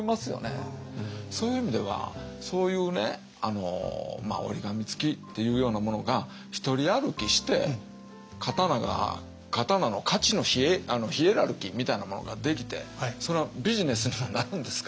そういう意味ではそういうね折り紙つきというようなものが一人歩きして刀が刀の価値のヒエラルキーみたいなものができてそれはビジネスにもなるんですか？